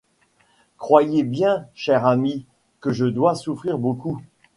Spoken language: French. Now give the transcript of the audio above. Croyez bien, cher ami, que je dois souffrir beaucoup.